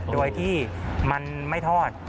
โดยที่มันไม่ทอด